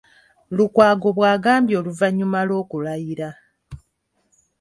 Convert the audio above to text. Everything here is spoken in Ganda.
Lukwago bw’agambye oluvannyuma lw’okulayira.